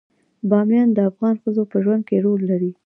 بامیان د افغان ښځو په ژوند کې رول لري.